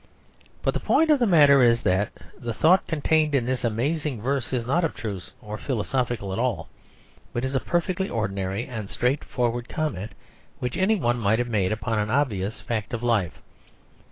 But the point of the matter is that the thought contained in this amazing verse is not abstruse or philosophical at all, but is a perfectly ordinary and straightforward comment, which any one might have made upon an obvious fact of life.